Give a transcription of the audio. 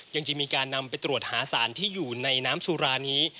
ยังจะมีการนำไปตรวจหาสารที่อยู่ในน้ำสุรานี้